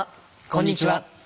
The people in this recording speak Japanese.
こんにちは。